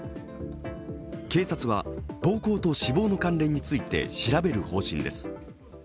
警察は暴行と死亡の関連について調べる方針です。